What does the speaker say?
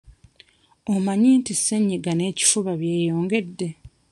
Omanyi nti ssenyiga n'ekifuba byeyongedde?